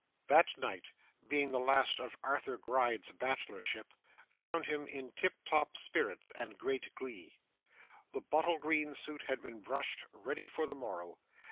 That night, being the last of Arthur Gride's bachelorship, found him in tiptop spirits and great glee. The bottle green suit had been brushed, ready for the morrow.